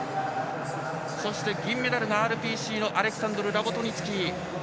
そして銀メダルがＲＰＣのアレクサンドル・ラボトニツキー。